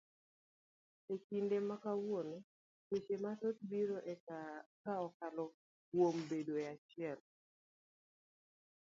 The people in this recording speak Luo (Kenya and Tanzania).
E kinde makawuono tuoche mathoth biro ka okalo kuom bedo e achiel.